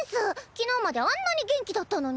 昨日まであんなに元気だったのに。